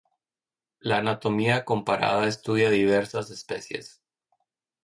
La anatomía comparada estudia diversas especies.